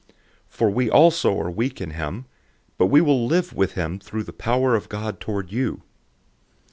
For we also are weak in him, but we will live with him through the power of God toward you.